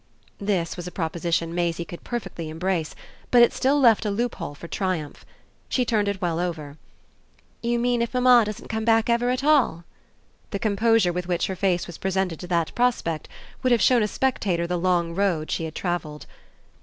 This was a proposition Maisie could perfectly embrace, but it still left a loophole for triumph. She turned it well over. "You mean if mamma doesn't come back ever at all?" The composure with which her face was presented to that prospect would have shown a spectator the long road she had travelled.